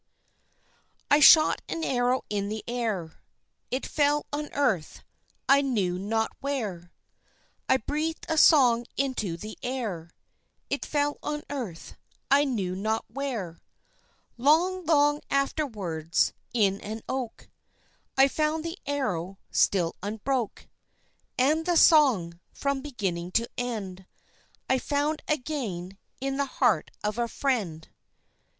] "I shot an arrow in the air; It fell on earth, I knew not where. I breathed a song into the air; It fell on earth, I knew not where. Long, long afterwards, in an oak, I found the arrow still unbroke, And the song, from beginning to end, I found again in the heart of a friend."